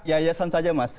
yayasan saja mas